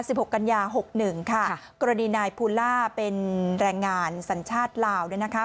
หกกันยาหกหนึ่งค่ะกรณีนายภูล่าเป็นแรงงานสัญชาติลาวเนี่ยนะคะ